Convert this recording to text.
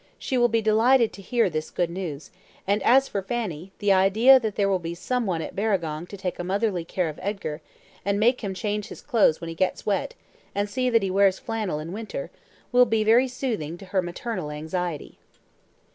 She will be delighted to hear this good news; and, as for Fanny, the idea that there will be some one at Barragong to take a motherly care of Edgar, and make him change his clothes when he gets wet, and see that he wears flannel in winter, will be very soothing to her maternal anxiety."